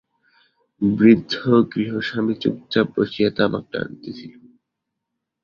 বৃদ্ধ গৃহস্বামী চুপচাপ বসিয়া তামাক টানিতেছিল।